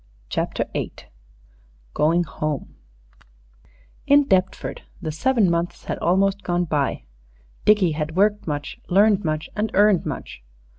CHAPTER VIII GOING HOME IN Deptford the seven months had almost gone by; Dickie had worked much, learned much, and earned much.